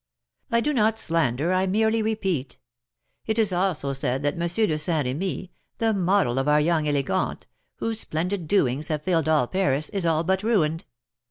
"I do not slander, I merely repeat. It is also said that M. de St. Remy, the model of our young élégantes, whose splendid doings have filled all Paris, is all but ruined!